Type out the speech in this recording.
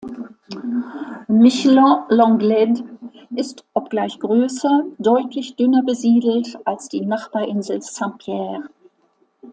Miquelon-Langlade ist, obgleich größer, deutlich dünner besiedelt als die Nachbarinsel Saint-Pierre.